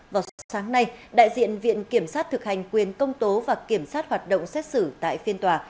vào sáng nay đại diện viện kiểm sát thực hành quyền công tố và kiểm sát hoạt động xét xử tại phiên tòa